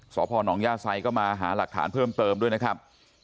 สพนย่าไซก็มาหาหลักฐานเพิ่มเติมด้วยนะครับ